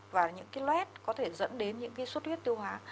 và những cái lét có thể dẫn đến những cái suất huyết tiêu hóa